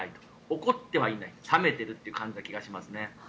怒ってはいない冷めているという感じがしますね。